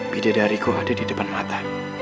bidadariku ada di depan mata